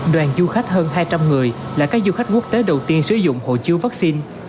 đoàn du khách hơn hai trăm linh người là các du khách quốc tế đầu tiên sử dụng hộ chiếu vaccine